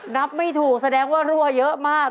ไม่ถูกแสดงว่ารั่วเยอะมาก